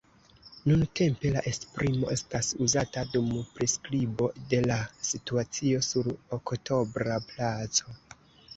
Nuntempe la esprimo estas uzata dum priskribo de la situacio sur Oktobra Placo.